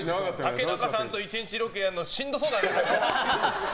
竹中さんと１日ロケやるのしんどそうだね。